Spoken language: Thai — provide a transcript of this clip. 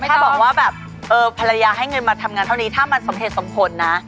จะบอกว่าแบบภรรยาให้เงินมาทำงานเท่านี้ถ้ามันสมเหตุสมผลนะ